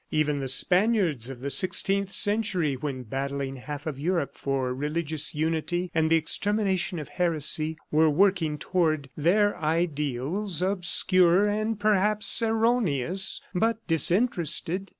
Even the Spaniards of the sixteenth century, when battling with half of Europe for religious unity and the extermination of heresy, were working toward their ideals obscure and perhaps erroneous, but disinterested.